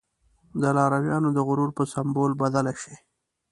د لارويانو د غرور په سمبول بدله شي.